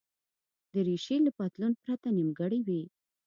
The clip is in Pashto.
دریشي له پتلون پرته نیمګړې وي.